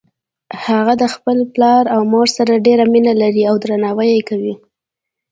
هغه د خپل پلار او مور سره ډیره مینه لری او درناوی یی کوي